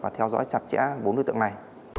và theo dõi chặt chẽ bốn đối tượng này